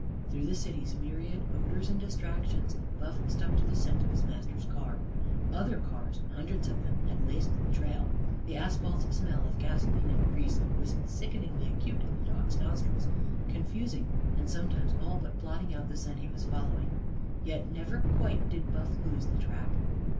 Through the city's myriad odours and distractions, Buff stuck to the scent of his master's car. Other cars hundreds of them had laced the trail. The asphalt's smell of gasoline and grease was sickeningly acute in the dog's nostrils, confusing and sometimes all but blotting out the scent he was following. Yet never quite did Buff lose the track.